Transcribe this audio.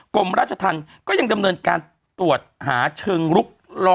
กรมราชธรรมก็ยังดำเนินการตรวจหาเชิงลุก